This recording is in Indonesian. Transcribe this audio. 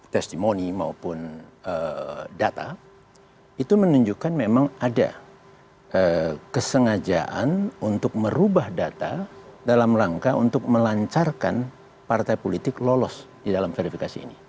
testimoni maupun data itu menunjukkan memang ada kesengajaan untuk merubah data dalam rangka untuk melancarkan partai politik lolos di dalam verifikasi ini